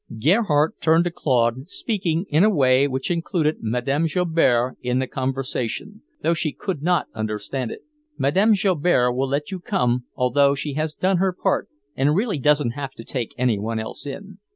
Gerhardt turned to Claude, speaking in a way which included Madame Joubert in the conversation, though she could not understand it: "Madame Joubert will let you come, although she has done her part and really doesn't have to take any one else in.